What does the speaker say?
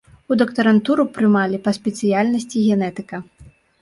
У дактарантуру прымалі па спецыяльнасці генетыка.